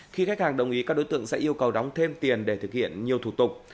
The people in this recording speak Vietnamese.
khi khách hàng đồng ý các đối tượng sẽ yêu cầu đóng thêm tiền để thực hiện nhiều thủ tục